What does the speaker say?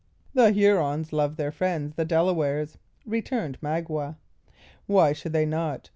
"The Hurons love their friends the Delawares," returned Magua. "Why should they not?